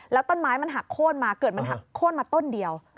แล้วต้นไม้มันหักโค้นมาเกิดมันหักโค้นมาต้นเดียว